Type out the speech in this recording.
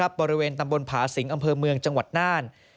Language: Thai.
บริเวณตำบลผาสิงอำเภอเมืองจังหวัดน่าน